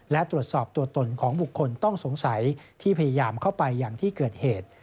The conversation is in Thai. และตรวจสอบตัวตนของบุคคลต้องสงสัยที่พยายามเข้าไปอย่างที่เกิดเหตุ